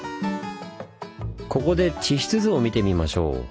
ここで地質図を見てみましょう。